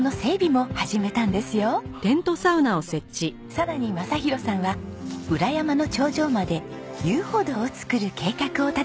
さらに雅啓さんは裏山の頂上まで遊歩道を造る計画を立てています。